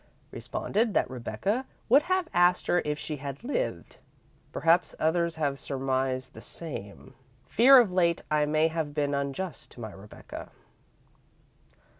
Responded that Rebecca would have asked her if she had lived. Perhaps others have surmised the same. Fear of late I may have been unjust to my Rebecca."